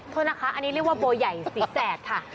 โทษนะคะอันนี้เรียกว่าโบใหญ่สีแจดค่ะ